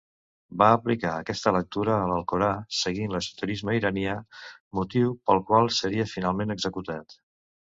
Va aplicar aquesta lectura a l'Alcorà, seguint l'esoterisme iranià, motiu pel qual seria finalment executat.